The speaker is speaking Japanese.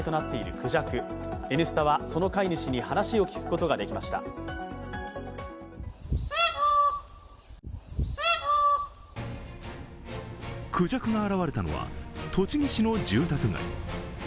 くじゃくが現れたのは栃木市の住宅街。